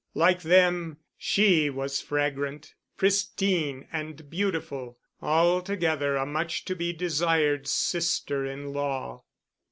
Like them, she was fragrant, pristine and beautiful—altogether a much to be desired sister in law.